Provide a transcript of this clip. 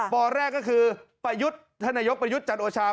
ปแรกก็คือประยุทธ์ท่านนายกประยุทธ์จันโอชา